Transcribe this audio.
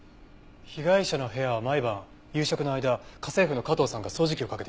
被害者の部屋は毎晩夕食の間家政婦の加藤さんが掃除機をかけていました。